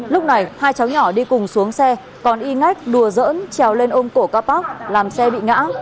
lúc này hai cháu nhỏ đi cùng xuống xe còn y ngách đùa dỡn trèo lên ôm cổ capok làm xe bị ngã